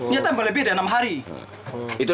nyata melebihi enam hari